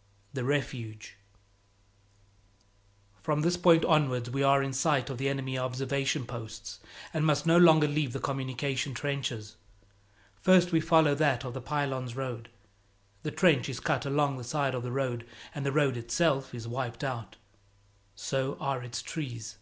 XXI The Refuge FROM this point onwards we are in sight of the enemy observation posts, and must no longer leave the communication trenches. First we follow that of the Pylones road. The trench is cut along the side of the road, and the road itself is wiped out; so are its trees.